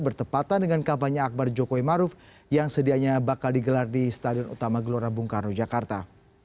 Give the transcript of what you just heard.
bertepatan dengan kampanye akbar jokowi maruf yang sedianya bakal digelar di stadion utama gelora bung karno jakarta